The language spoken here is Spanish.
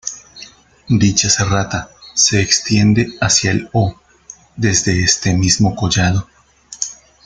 Dicha serrata se extiende hacia el O desde este mismo collado.